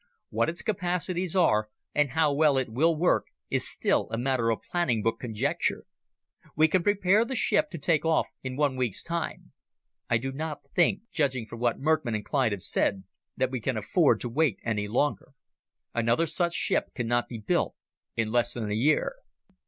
What its capacities are and how well it will work is still a matter of planning book conjecture. We can prepare the ship to take off in one week's time. I do not think, judging from what Merckmann and Clyde have said, that we can afford to wait any longer. Another such ship cannot be built in less than a year."